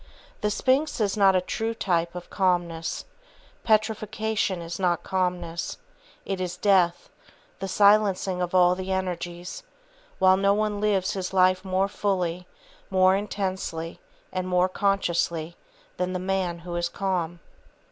The Sphinx is not a true type of calmness, petrifaction is not calmness; it is death, the silencing of all the energies; while no one lives his life more fully, more intensely and more consciously than the man who is calm.